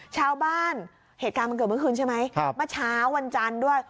ชาวบ้านเหตุการณ์มันเกิดเมื่อคืนใช่ไหมเมื่อเช้าวันจันทร์ด้วย